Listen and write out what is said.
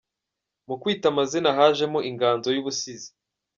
Mu kwita amazina hajemo inganzo y’ubusizi.